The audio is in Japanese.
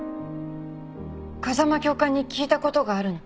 風間教官に聞いたことがあるの。